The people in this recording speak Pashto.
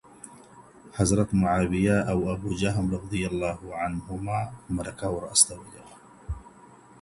حضرت معاويه او ابو جهم رضي الله عنهم مرکه ور استولې وه.